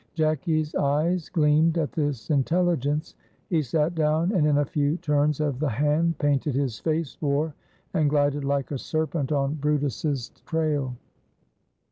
Jacky's eyes gleamed at this intelligence. He sat down, and in a few turns of the hand painted his face war, and glided like a serpent on brutus's trail.